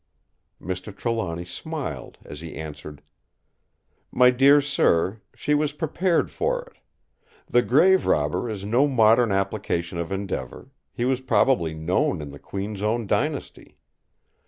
Mr. Trelawny smiled as he answered: "My dear sir, she was prepared for it. The grave robber is no modern application of endeavour; he was probably known in the Queen's own dynasty.